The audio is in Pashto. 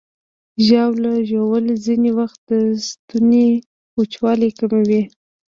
ژاوله ژوول ځینې وخت د ستوني وچوالی کموي.